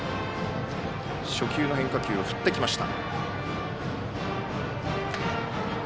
初球の変化球を振ってきました。